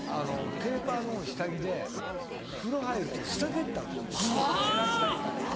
ペーパーの下着で風呂入ると捨ててったの荷物減らしたいから。